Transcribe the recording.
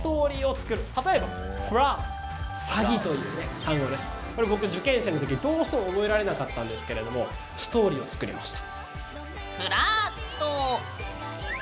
読み方や意味で僕、受験生のとき、どうしても覚えられなかったんですけれどもストーリーを作りました。